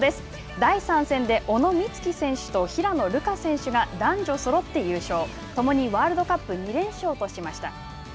第３戦で小野光希選手と平野流佳選手が男女そろって優勝共にワールドカップ